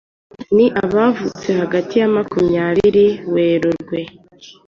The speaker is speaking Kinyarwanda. ni abavutse hagati ya makumyabiri Werurwe